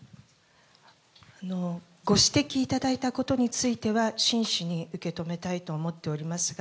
ご指摘いただいたことについては、真摯に受け止めたいと思っておりますが、